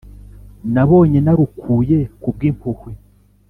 nabonye narukuye kubwimpuhwe